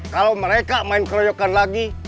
kalau mereka main keroyokan lagi